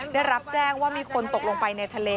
ได้รับแจ้งว่ามีคนตกลงไปในทะเล